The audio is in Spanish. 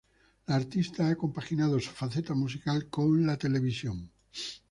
La artista ha compaginado su faceta musical con la televisión.